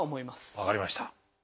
分かりました。